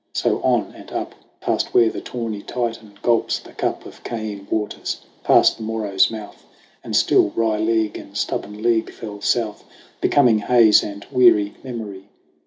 So on and up Past where the tawny Titan gulps the cup Of Cheyenne waters, past the Moreau's mouth ; And still wry league and stubborn league fell south, Becoming haze and weary memory.